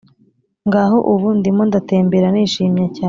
ngaho ubu, ndimo ndatembera nishimye cyane